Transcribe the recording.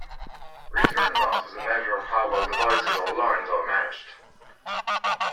Return loss is a measure of how well devices or lines are matched.